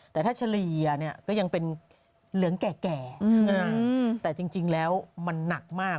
แต่ถ้าเฉลี่ยเนี่ยก็ยังเป็นเหลืองแก่แต่จริงแล้วมันหนักมาก